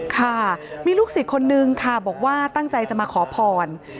ค่ะมีลูกศิษย์คนนึงค่ะบอกว่าตั้งใจจะมาขอพร